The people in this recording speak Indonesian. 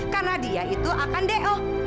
karena dia itu akan do